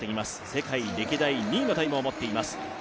世界歴代２位のタイムを持っています。